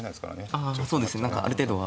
あそうですね。何かある程度は。